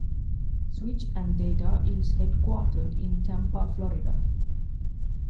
Switch and Data is headquartered in Tampa, Florida.